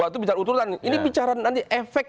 itu bicara utur uturan ini bicara nanti efek